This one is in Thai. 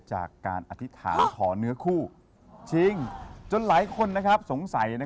จากการอธิษฐานขอเนื้อคู่จริงจนหลายคนสงสัย